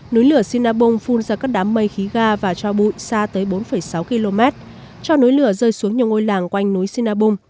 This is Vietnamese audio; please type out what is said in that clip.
núi lửa sinabung phun ra các đám mây khí ga và cho bụi xa tới bốn sáu km cho núi lửa rơi xuống nhiều ngôi làng quanh núi sinabum